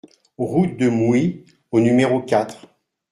Route de Mouy au numéro quatre